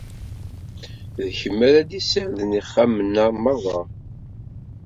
D kemm ara d-yessarden ixxamen-a merra.